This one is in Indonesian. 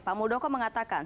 pak muldoko mengatakan